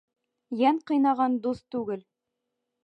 Йән ҡыйнаған дуҫ түгел.